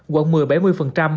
quận một mươi bảy mươi quận một